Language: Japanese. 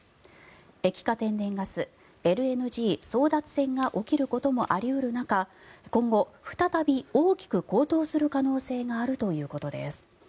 液化天然ガス・ＬＮＧ争奪戦が起きることもあり得る中今後、再び大きく高騰する可能性があるということです。